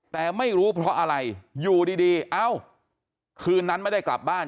แต่ไม่รู้เพราะอะไรอยู่ดีเอ้าคืนนั้นไม่ได้กลับบ้าน